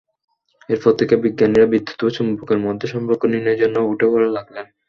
এরপর থেকে বিজ্ঞানীরা বিদ্যুৎ ও চুম্বকের মধ্যে সম্পর্ক নির্ণয়ের জন্য উঠেপড়ে লাগলেন।